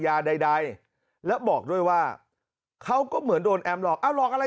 ยาใดใดแล้วบอกด้วยว่าเขาก็เหมือนโดนแอมหลอกเอาหลอกอะไร